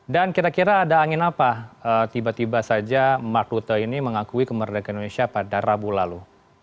dan kira kira ada angin apa tiba tiba saja mark rutte ini mengakui kemerdekaan indonesia pada rabu lalu